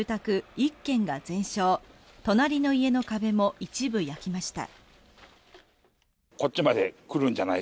１軒が全焼隣の家の壁も一部焼きました。